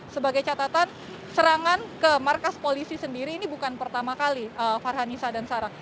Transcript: sebagai catatan serangan ke markas polisi sendiri ini bukan pertama kali farhanisa dan sarah